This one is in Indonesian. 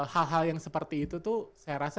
hal hal yang seperti itu tuh saya rasa